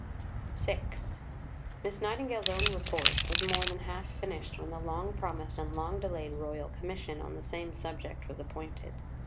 VI Miss Nightingale's own Report was more than half finished when the long promised and long delayed Royal Commission on the same subject was appointed.